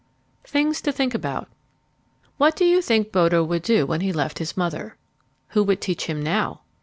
THINGS TO THINK ABOUT What do you think Bodo would do when he left his mother? Who would teach him now?